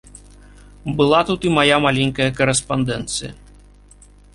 Была тут і мая маленькая карэспандэнцыя.